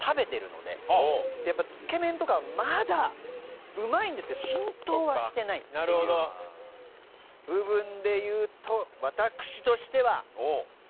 やっぱつけめんとかはまだうまいんですけど浸透はしてないっていう部分でいうと私としては。